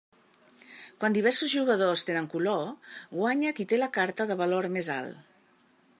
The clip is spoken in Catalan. Quan diversos jugadors tenen color, guanya qui té la carta de valor més alt.